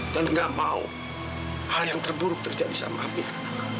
dan gak mau hal yang terburuk terjadi sama amira